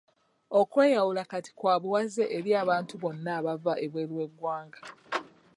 Okweyawula kati kwa buwaze eri abantu bonna abava ebweru w'eggwanga.